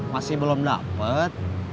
masih belum dapet